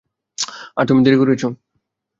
আর তুমি দেরি করেছ।